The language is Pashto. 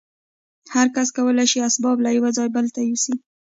هر کس کولای شي اسباب له یوه ځای بل ته یوسي